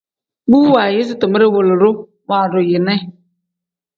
Bu waayisi timere wilidu waadu yi ne.